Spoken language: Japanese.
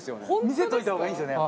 見せといた方がいいんですよね。